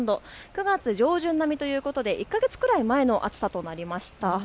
９月上旬並みということで１か月くらい前の暑さとなりました。